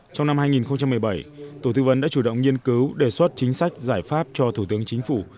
trong năm hai nghìn một mươi bảy tổ tư vấn đã chủ động nghiên cứu đề xuất chính sách giải pháp cho thủ tướng chính phủ